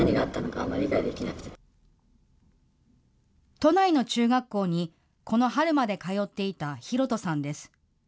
都内の中学校にこの春まで通っていたヒロトさんです。